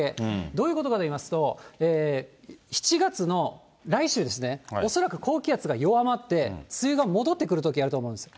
どういうことかといいますと、７月の来週ですね、恐らく高気圧が弱まって、梅雨が戻ってくるときあると思うんです。